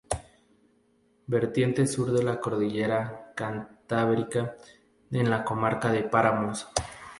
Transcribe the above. Vertiente Sur de la cordillera Cantábrica en la comarca de Páramos.